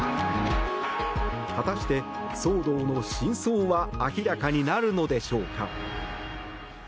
果たして、騒動の真相は明らかになるのでしょうか。